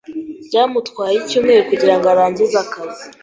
Byamutwaye icyumweru kugirango arangize akazi.